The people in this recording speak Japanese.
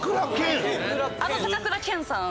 あの高倉健さん